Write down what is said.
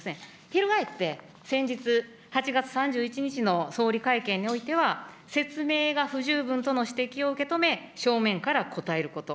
翻って、先日８月３１日の総理会見においては、説明が不十分との指摘を受け止め、正面から答えること。